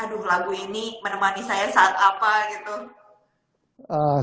aduh lagu ini menemani saya saat apa gitu